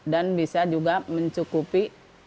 dan bisa juga mencukupi